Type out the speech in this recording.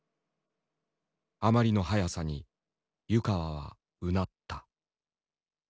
あまりのはやさに湯川はうなった。